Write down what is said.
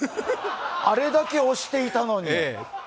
あれだけ押していたのに。